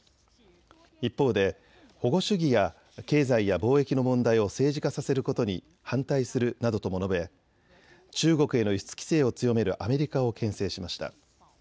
一方で保護主義や経済や貿易の問題を政治化させることに反対するなどとも述べ中国への輸出規制を強めるアメリカをけん制しました。